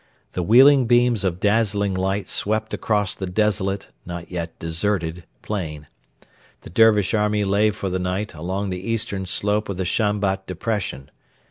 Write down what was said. The wheeling beams of dazzling light swept across the desolate, yet not deserted, plain. The Dervish army lay for the night along the eastern slope of the Shambat depression.